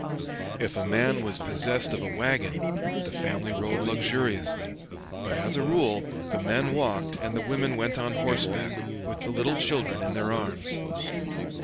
If a man was possessed of a wagon, the family rode luxuriously; but as a rule the men walked and the women went on horseback with the little children in their arms.